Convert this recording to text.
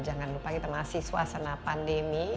jangan lupa kita masih suasana pandemi